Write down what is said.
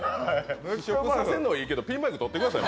試食させるのはいいけど、ピンマイクとってください。